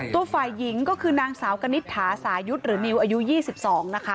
ตัวฝ่ายหญิงก็คือนางสาวกนิษฐาสายุทธ์หรือนิวอายุ๒๒นะคะ